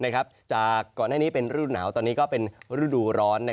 จากก่อนหน้านี้เป็นฤดูหนาวตอนนี้ก็เป็นฤดูร้อน